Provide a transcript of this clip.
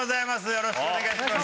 よろしくお願いします！